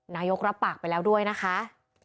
นายกรับปากไปแล้วด้วยนะคะ